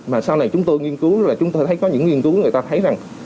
mà sau này chúng tôi nghiên cứu là chúng tôi thấy có những nghiên cứu người ta thấy rằng